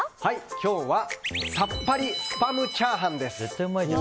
今日はさっぱりスパムチャーハンです。